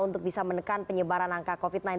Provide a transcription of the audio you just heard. untuk bisa menekan penyebaran angka covid sembilan belas